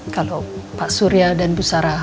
kalau pak surya dan bu sarah